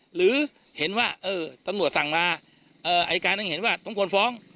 หรือเห็นว่าตำรวจสั่งมาอายการยังเห็นว่าต้องควรฟ้อง